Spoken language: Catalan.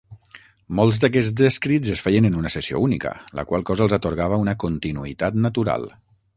Molts d'aquests escrits es feien en una sessió única, la qual cosa els atorgava una continuïtat natural.